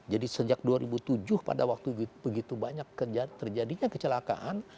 jadi sejak dua ribu tujuh pada waktu begitu banyak terjadinya kecelakaan